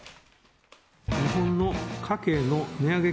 日本の家計の値上げ